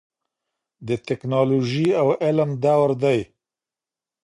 د ټیکنالوژۍ او علم دور دی.